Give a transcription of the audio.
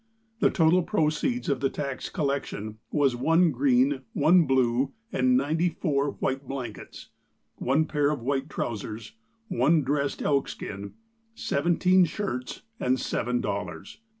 The total proceeds of the tax collection was one green, one blue, and ninety four white blankets, one pair of white trousers, one dressed elk skin, seventeen shirts, and seven dollars.